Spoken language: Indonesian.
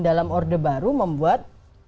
dalam order baru membuat